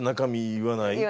言わない。